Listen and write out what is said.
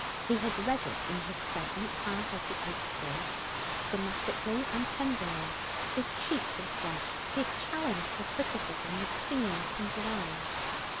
He had read it in his pleasant, half educated voice, dramatically and tenderly; his cheeks had flushed; he had challenged her criticism with keen, attentive eyes.